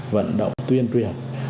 vận động tuyên truyền